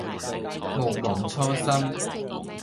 毋忘初心